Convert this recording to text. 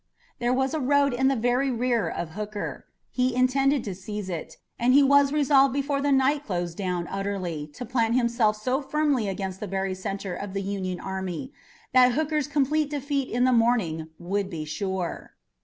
There was a road in the very rear of Hooker. He intended to seize it, and he was resolved before the night closed down utterly to plant himself so firmly against the very center of the Union army that Hooker's complete defeat in the morning would be sure.